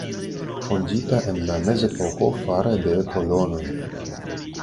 Fondita en la Mezepoko fare de kolonoj.